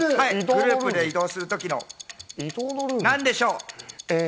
グループで移動するときの、何でしょう。